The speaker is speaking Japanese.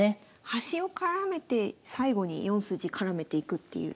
端を絡めて最後に４筋絡めていくっていう。